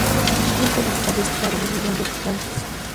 Actualmente, la estancia está dividida en dos plantas.